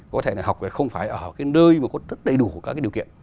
có thể là học không phải ở cái nơi mà có đầy đủ các cái điều kiện